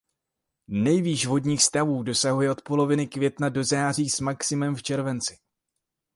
Nejvyšších vodních stavů dosahuje od poloviny května do září s maximem v červenci.